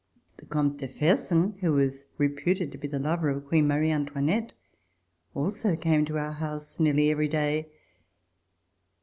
The Comte de Fersen, who was reputed to be the lover of Queen Marie Antoinette, also came to our house nearly every day.